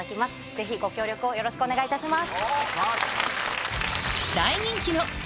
ぜひご協力をよろしくお願いいたします。